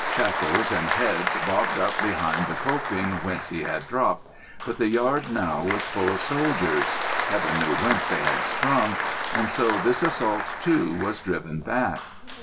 Shakos and heads bobbed up behind the coping whence he had dropped; but the yard now was full of soldiers (Heaven knew whence they had sprung) and so this assault too was driven back.